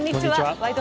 「ワイド！